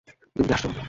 তুমি কি হাসছ?